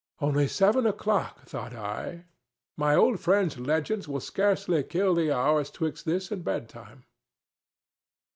"Only seven o'clock!" thought I. "My old friend's legends will scarcely kill the hours 'twixt this and bedtime."